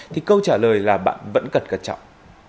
thì câu trả lời là bạn vẫn cần cẩn trọng